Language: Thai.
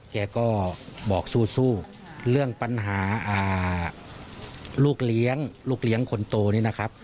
แกก็บอกสู้เรื่องปัญหาลูกเลี้ยงคนโตนี้นะครับ